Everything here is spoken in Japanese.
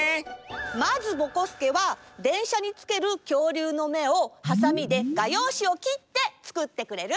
まずぼこすけはでんしゃにつけるきょうりゅうのめをハサミでがようしをきってつくってくれる？